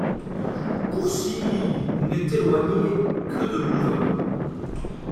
Courcy n'est éloignée que de de Louvagny.